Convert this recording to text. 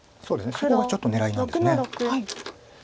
ちょっと狙いなんです。